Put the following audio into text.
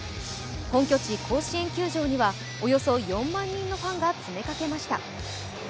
本拠地・甲子園球場にはおよそ４万人のファンが詰めかけました。